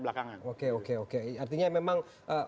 belakangan oke oke oke artinya memang